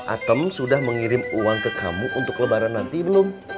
atem sudah mengirim uang ke kamu untuk lebaran nanti belum